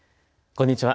こんにちは。